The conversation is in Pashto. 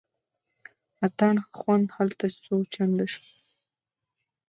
اتڼ خوند هلته څو چنده شو.